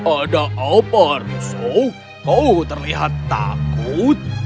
ada apa russo kau terlihat takut